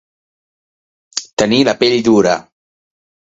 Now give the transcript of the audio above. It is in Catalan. Tenir la pell dura.